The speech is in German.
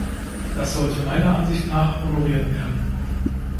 Das sollte meiner Ansicht nach honoriert werden.